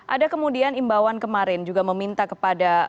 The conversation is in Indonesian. ada kemudian imbawan kemarin juga meminta kepada bung renwarin